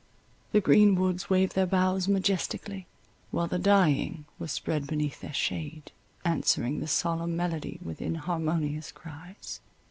The green woods waved their boughs majestically, while the dying were spread beneath their shade, answering the solemn melody with inharmonious cries.